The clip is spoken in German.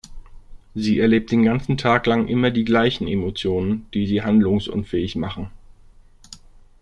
Sie erlebt den ganzen Tag lang immer die gleichen Emotionen, die sie handlungsunfähig machen.